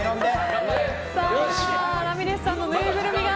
ラミレスさんのぬいぐるみが。